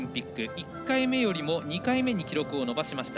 １回目よりも２回目に記録を伸ばしました。